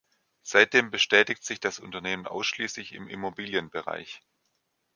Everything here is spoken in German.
Seitdem betätigt sich das Unternehmen ausschließlich im Immobilienbereich.